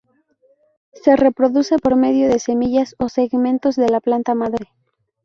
Se reproduce por medio de semillas o segmentos de la planta madre.